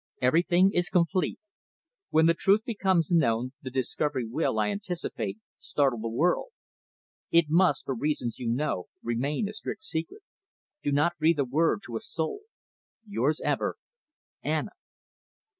Everything is complete. When the truth becomes known the discovery will, I anticipate, startle the world. It must, for reasons you know, remain a strict secret. Do not breathe a word to a soul. Yours ever. "Anna."